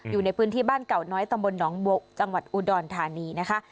อยู่ในพื้นที่บ้านเก่าน้อยตำบลหนองบัวจังหวัดอุดรธานีนะคะ